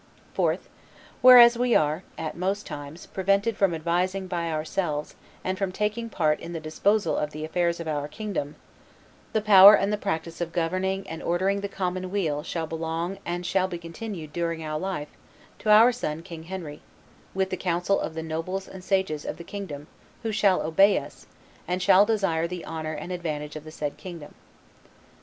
4th. Whereas we are, at most times, prevented from advising by ourselves and from taking part in the disposal of the affairs of our kingdom, the power and the practice of governing and ordering the commonweal shall belong and shall be continued, during our life, to our son King Henry, with the counsel of the nobles and sages of the kingdom who shall obey us and shall desire the honor and advantage of the said kingdom.